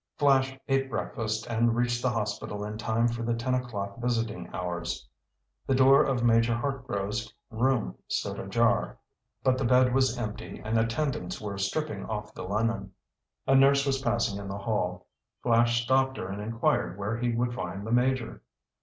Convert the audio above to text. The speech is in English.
Flash ate breakfast and reached the hospital in time for the ten o'clock visiting hours. The door of Major Hartgrove's room stood ajar. But the bed was empty and attendants were stripping off the linen. A nurse was passing in the hall. Flash stopped her and inquired where he would find the Major.